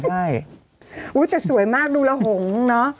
ใช่แต่สวยมากดูละหงเนอะ